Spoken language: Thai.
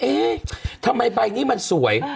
เอ๊ะทำไมใบนี้มันสวย